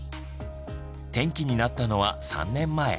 転機になったのは３年前。